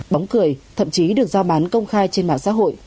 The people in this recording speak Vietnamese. bóng cười thậm chí được giao bán công khai trên mạng xã hội